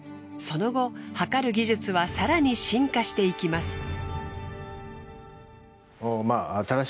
その後はかる技術は更に進化していきます。